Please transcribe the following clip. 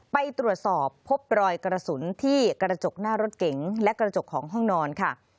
ไปตรวจสอบพบรอยกระสุนที่กระจกหน้ารถเก๋งและกระจกของห้องนอนค่ะ